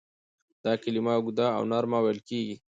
دا کلمه اوږده او نرمه ویل کیږي.